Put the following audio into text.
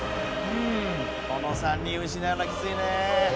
この３人失うのきついね。